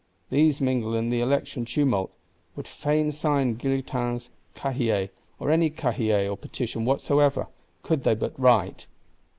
These mingle in the Election tumult; would fain sign Guillotin's Cahier, or any Cahier or Petition whatsoever, could they but write.